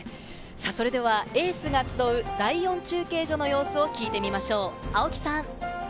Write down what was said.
それではエースが集う第４中継所の様子を聞いてみましょう、青木さん。